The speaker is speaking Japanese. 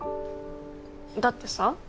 だってさ